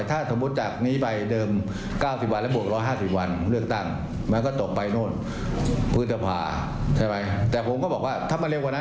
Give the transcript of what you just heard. น่าจะเหมาะสมแล้วละ